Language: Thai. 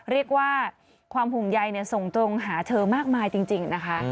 เรียกว่าความห่วงใยส่งตรงหาเธอมากมายจริงนะคะ